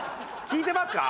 聞いてますか？